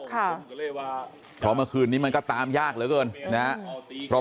ค่ะเพราะเมื่อคืนนี้มันก็ตามยากเหลือเกินนะฮะเพราะ